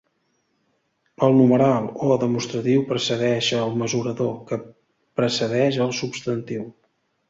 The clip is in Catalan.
El numeral o demostratiu precedeix el mesurador, que precedeix el substantiu.